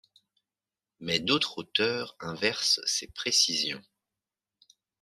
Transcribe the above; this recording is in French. Mais d'autres auteurs inversent ces précisions.